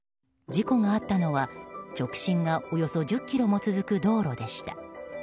事故があったのは直進がおよそ１０ｋｍも続く道路でした。